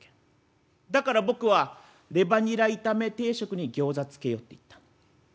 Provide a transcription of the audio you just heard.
だから僕はレバニラ炒め定食にギョーザ付けようって言ったの。